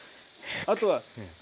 あとはね